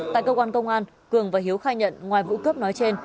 tại cơ quan công an cường và hiếu khai nhận ngoài vụ cướp nói trên